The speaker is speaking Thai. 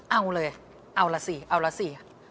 เอาเลยเอาล่ะสิเอาละสิ